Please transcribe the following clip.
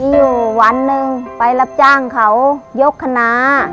อยู่วันหนึ่งไปรับจ้างเขายกคณะ